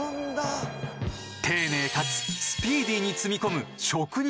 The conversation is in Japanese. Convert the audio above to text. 丁寧かつスピーディーに積み込む職人の技。